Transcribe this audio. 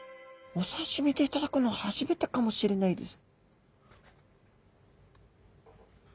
お刺身で頂くの初めてかもしれないです。